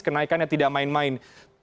kenaikannya tidak main main